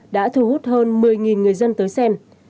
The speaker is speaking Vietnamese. đã thu hút hơn một mươi người dân tới xem